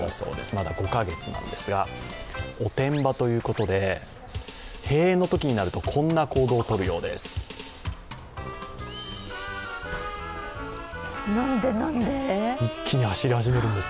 まだ５か月なんですが、おてんばということで、閉園のときになるとこんな行動をとるようです。